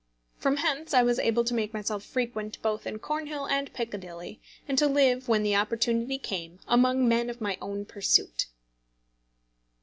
From hence I was able to make myself frequent both in Cornhill and Piccadilly, and to live, when the opportunity came, among men of my own pursuit.